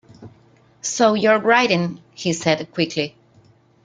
"So you're writing," he said quickly.